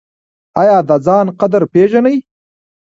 ایا د ځان قدر پیژنئ؟